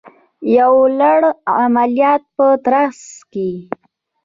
د یو لړ عملیاتو په ترڅ کې